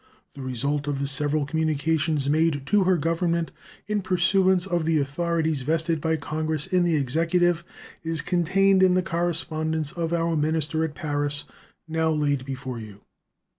The result of the several communications made to her Government, in pursuance of the authorities vested by Congress in the Executive, is contained in the correspondence of our minister at Paris now laid before you.